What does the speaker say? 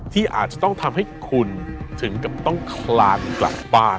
ที่อาจจะต้องทำให้คุณถึงกับต้องคลานกลับบ้าน